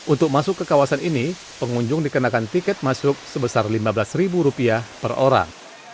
untuk masuk ke kawasan ini pengunjung dikenakan tiket masuk sebesar lima belas ribu rupiah per orang